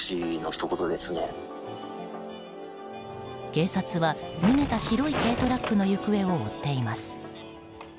警察は逃げた白い軽トラックの行方を追っています。